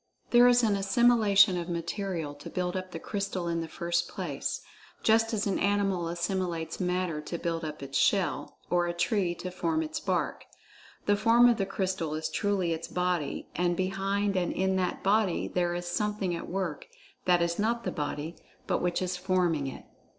There is an "assimilation" of material to build up the crystal in the first place, just as an animal assimilates matter to build up its shell—or a tree to form its bark. The "form" of the crystal is truly its "body," and behind and in that body there is "something at work" that is not the body, but which is forming it.